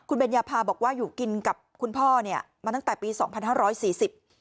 เบญญาภาบอกว่าอยู่กินกับคุณพ่อเนี่ยมาตั้งแต่ปีสองพันห้าร้อยสี่สิบ